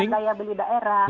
dengan daya beli daerah